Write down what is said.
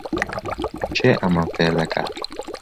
کێ ئەمەم فێر دەکات؟